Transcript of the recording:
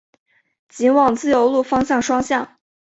仅往自由路方向双向